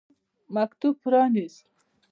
مکتوب پرانیست.